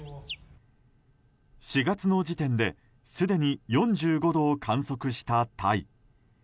４月の時点ですでに４５度を観測したタイ。